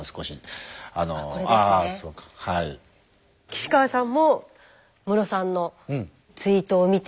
岸川さんもムロさんのツイートを見て。